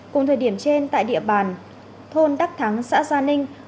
cùng thời điểm trên tại địa bàn thôn đắc thắng xã gia ninh